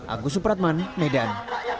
agus supratman medan